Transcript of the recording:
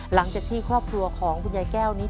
หลังจากที่ครอบครัวของคุณยายแก้วนี้